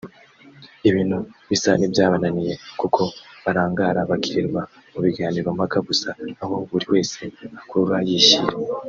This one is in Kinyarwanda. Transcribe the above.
Ibintu bisa n’ibyabananiye kuko barangara bakirirwa mu biganiro mpaka gusa aho buri wese akurura yishyira